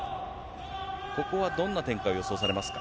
ここはどんな展開が予想されますか。